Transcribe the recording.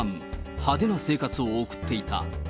派手な生活を送っていた。